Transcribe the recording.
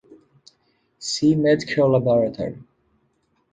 See Medical laboratory.